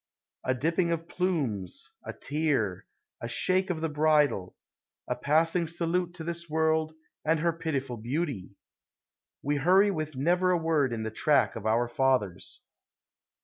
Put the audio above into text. A dipping of plumes, a tear, a shake of the bridle, A passing salute to this world, and her pitiful beauty ! We hurry with never a word in the track of our fathers.